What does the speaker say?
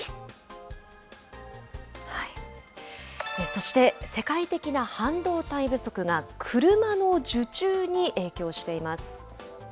そして、世界的な半導体不足が車の受注に影響しています。